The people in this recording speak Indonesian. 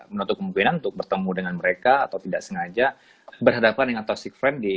menutup kemungkinan untuk bertemu dengan mereka atau tidak sengaja berhadapan dengan toxic friend